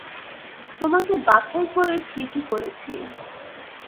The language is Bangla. তোমাকে বাছাই করে ঠিকই করেছি।